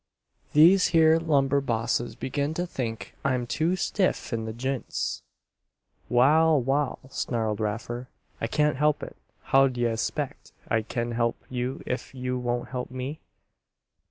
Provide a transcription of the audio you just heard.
These here lumber bosses begin to think I'm too stiff in the j'ints." "Wal, wal!" snarled Raffer. "I can't help it. How d'ye expec' I kin help you ef you won't help me?"